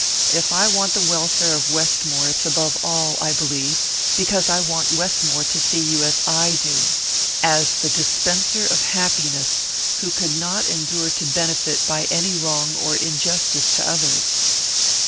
If I want the welfare of Westmore it's above all, I believe, because I want Westmore to see you as I do as the dispenser of happiness, who could not endure to benefit by any wrong or injustice to others."